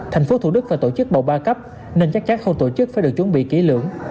thành phố thủ đức phải tổ chức bầu ba cấp nên chắc chắn khâu tổ chức phải được chuẩn bị kỹ lưỡng